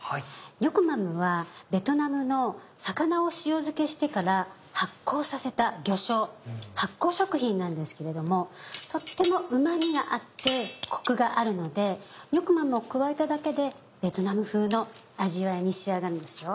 ニョクマムはベトナムの魚を塩漬けしてから発酵させた魚醤発酵食品なんですけれどもとってもうま味があってコクがあるのでニョクマムを加えただけでベトナム風の味わいに仕上がるんですよ。